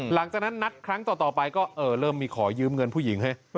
หลังจากนั้นนัดครั้งต่อไปก็เริ่มมีขอยืมเงินผู้หญิงให้